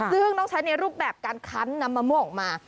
ซึ่งต้องใช้ในรูปแบบการคั้นน้ำมะม่วงออกมา